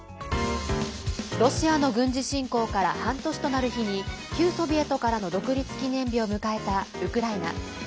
ロシアの軍事侵攻から半年となる日に旧ソビエトからの独立記念日を迎えたウクライナ。